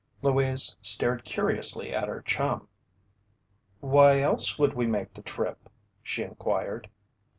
Louise stared curiously at her chum. "Why else would we make the trip?" she inquired.